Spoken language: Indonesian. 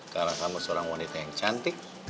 karena sama seorang wanita yang cantik